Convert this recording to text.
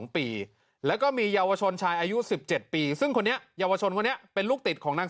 ปีแล้วก็มีเยาวชนชายอายุ๑๗ปีซึ่งคนนี้เยาวชนคนนี้เป็นลูกติดของนาง